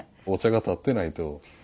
お茶が点ってないと。